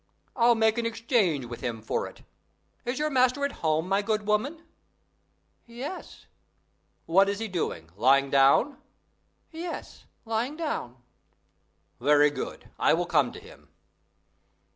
I'll make an exchange with him for it. Is your master at home, my good woman?" "Yes." "What is he doing? lying down?" "Yes, lying down." "Very well, I will come to him."